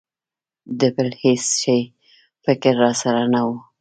د بل هېڅ شي فکر را سره نه و.